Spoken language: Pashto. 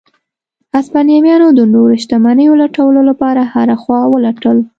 هسپانویانو د نورو شتمنیو لټولو لپاره هره خوا ولټل.